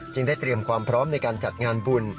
ได้เตรียมความพร้อมในการจัดงานบุญ